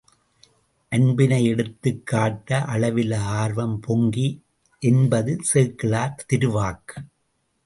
அன்பினை எடுத்துக் காட்ட அளவிலா ஆர்வம் பொங்கி என்பது சேக்கிழார் திருவாக்கு.